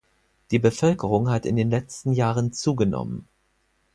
Die Bevölkerung hat in den letzten Jahren zugenommen.